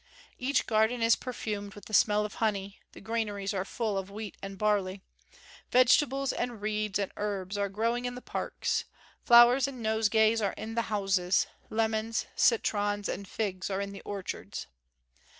Each garden is perfumed with the smell of honey; the granaries are full of wheat and barley; vegetables and reeds and herbs are growing in the parks; flowers and nosegays are in the houses; lemons, citrons, and figs are in the orchards."